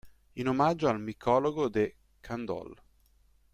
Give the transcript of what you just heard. In omaggio al micologo de Candolle.